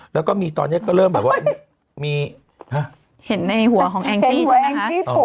แล้วก็มีตอนนี้ก็เริ่มแบบว่ามีเห็นในหัวของแองจี้ใช่ไหมคะ